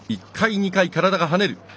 １回、２回、体が跳ねる。